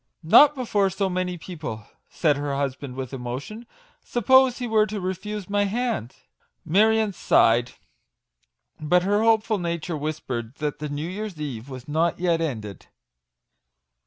" Not before so many people/' said her hus band with emotion. " Suppose he were to refuse my hand?" Marion sighed : but her hopeful nature whispered that the New Year's Eve was not yet ended.